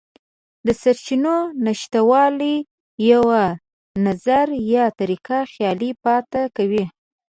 د سرچینو نشتوالی یو نظر یا طریقه خیال پاتې کوي.